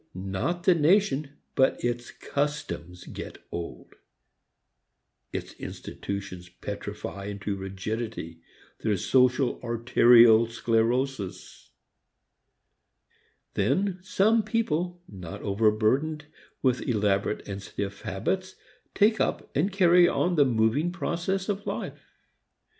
Not the nation but its customs get old. Its institutions petrify into rigidity; there is social arterial sclerosis. Then some people not overburdened with elaborate and stiff habits take up and carry on the moving process of life.